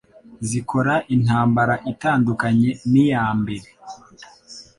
Zikora intambara itandukanye n'iyambere